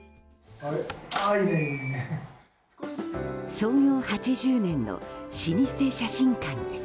創業８０年の老舗写真館です。